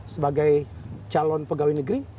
sebagai calon pegawai negeri